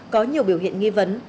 có nhiều biểu hiện nghi vấn